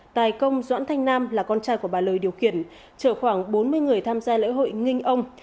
tải công doãn thanh nam là con trai của bà lời điều kiển chở khoảng bốn mươi người tham gia lễ hội nghinh ông